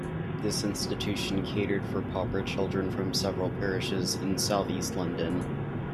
This institution catered for pauper children from several parishes in south-east London.